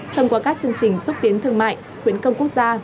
thông qua các chương trình xúc tiến thương mại khuyến công quốc gia